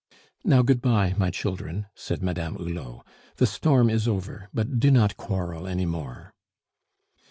"Now, good bye, my children," said Madame Hulot. "The storm is over. But do not quarrel any more."